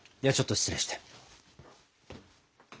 ではちょっと失礼して。